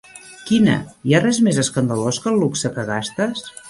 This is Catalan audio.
Quina? Hi ha res més escandalós que el luxe que gastes?